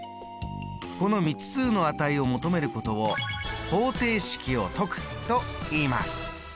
この未知数の値を求めることを方程式を解くといいます。